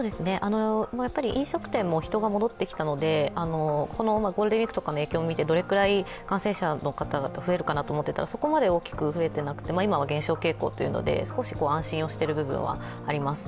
飲食店も人が戻ってきたのでゴールデンウイークの影響を見て、どのぐらい感染者の方が増えるかなというのを見ていたらそこまで大きく増えてなくて、今は減少傾向というので少し安心している部分はあります。